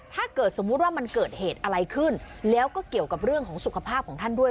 ถ้าเกิดสมมุติว่ามันเกิดเหตุอะไรขึ้นแล้วก็เกี่ยวกับเรื่องของสุขภาพของท่านด้วย